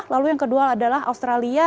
lalu yang kedua adalah australia